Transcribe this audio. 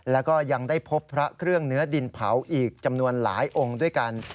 แล้วก็ยังได้พบพระเครื่องเนื้อดินเผาอีกจำนวนหลายองค์ด้วยกัน